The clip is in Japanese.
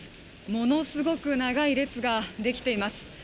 ものすごく長い列ができています。